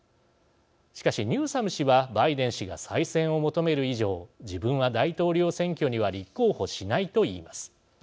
しかし、ニューサム氏はバイデン氏が再選を求める以上自分は大統領選挙には立候補しないと言います。